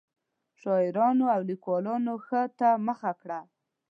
شاعرانو او لیکوالانو ښار ته مخه کړه.